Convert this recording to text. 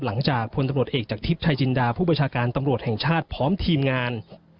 หลังจากพลตำรวจเอกจากทิพย์ชายจินดาผู้บัญชาการตำรวจแห่งชาติพร้อมทีมงาน